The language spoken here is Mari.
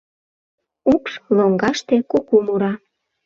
Укш лоҥгаште куку мура